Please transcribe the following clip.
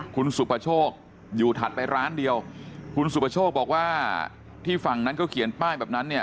คุณสุประโชคอยู่ถัดไปร้านเดียวคุณสุประโชคบอกว่าที่ฝั่งนั้นก็เขียนป้ายแบบนั้นเนี่ย